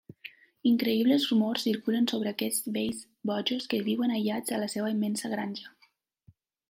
Increïbles rumors circulen sobre aquests vells bojos que viuen aïllats a la seva immensa granja.